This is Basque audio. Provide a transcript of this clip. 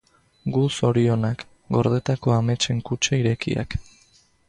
Gu zorionak, gordetako ametsen kutxa irekiak.